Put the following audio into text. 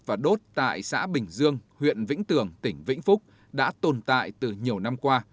và đốt tại xã bình dương huyện vĩnh tường tỉnh vĩnh phúc đã tồn tại từ nhiều năm qua